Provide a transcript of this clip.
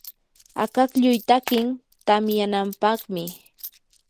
akaklluy takin tamyanampaqmi.